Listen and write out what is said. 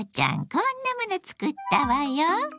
こんなもの作ったわよ。